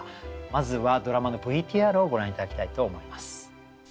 まずはドラマのＶＴＲをご覧頂きたいと思います。